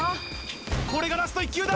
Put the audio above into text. これがラスト１球だ。